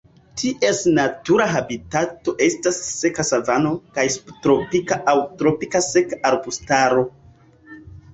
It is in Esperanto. Ties natura habitato estas seka savano kaj subtropika aŭ tropika seka arbustaro.